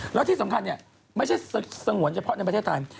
และที่สำคัญไม่ใช่สัตว์สงวนเฉพาะในประเทศไทย